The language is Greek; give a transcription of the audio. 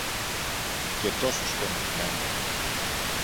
και τόσο σκονισμένο